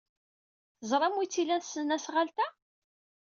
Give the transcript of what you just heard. Teẓram wi tt-ilan tesnasɣalt-a?